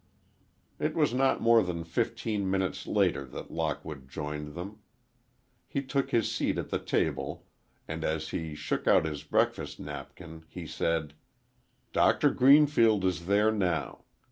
It was not more than fifteen minutes later that Lockwood joined them. He took his seat at the table and as he shook out his breakfast napkin he said, "Doctor Greenfield is there now.